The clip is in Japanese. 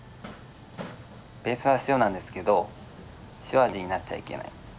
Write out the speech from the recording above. ベースは塩なんですけど塩味になっちゃいけない。